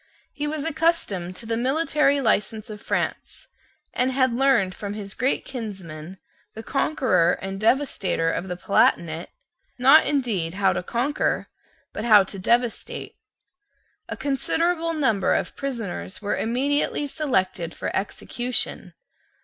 He was accustomed to the military license of France, and had learned from his great kinsman, the conqueror and devastator of the Palatinate, not indeed how to conquer, but how to devastate. A considerable number of prisoners were immediately selected for execution.